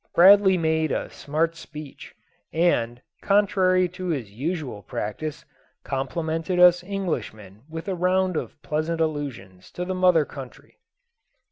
Bradley made a smart speech: and, contrary to his usual practice, complimented us Englishmen with a round of pleasant allusions to the mother country.